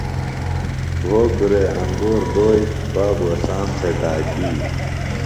بھوکُرہ وے انگور دو، بابوۡ اسام تھےۡ ٹاکی